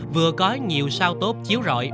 vừa có nhiều sao tốt chiếu rọi